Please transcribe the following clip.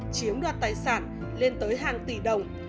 chiếm đoạt tài sản lên tới hàng tỷ đồng